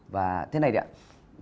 và thế này đấy ạ